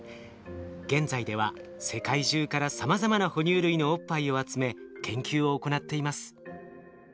現在では世界中からさまざまな哺乳類のおっぱいを集め研究を行っています。